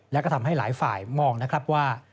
และก็ทำให้หลายฝ่ายมองนะครับว่า